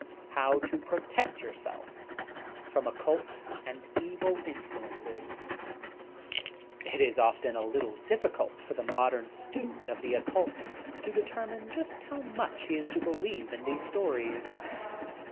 HOW TO PROTECT YOURSELF PROM OCCULT AND EVU. INFLUENCES It is often a little difficult for the modem student of the occult to determine just how much he is to believe in these stories.